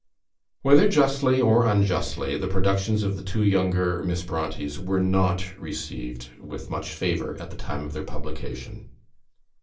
Whether justly or unjustly, the productions of the two younger Miss Brontës were not received with much favour at the time of their publication.